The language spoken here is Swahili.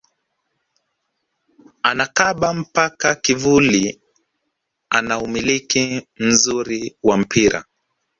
Anakaba mpaka kivuli ana umiliki mzuri wa mpira